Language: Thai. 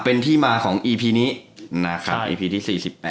เป็นที่มาของอีพีนี้นะครับอีพีที่๔๘